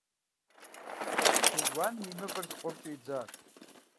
Пелуаным и мывэр зыкъомкӏэ идзащ.